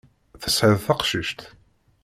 Tesεiḍ taqcict?